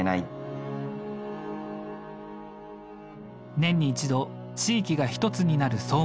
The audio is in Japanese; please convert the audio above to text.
年に一度地域が一つになる相馬野馬追。